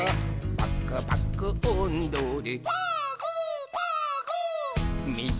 「パクパクおんどで」